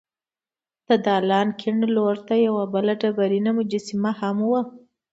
د دالان کیڼ لور ته یوه بله ډبرینه مجسمه هم وه.